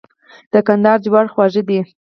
د کندهار جوار خوږ دي.